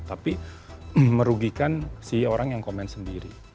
tapi merugikan si orang yang komen sendiri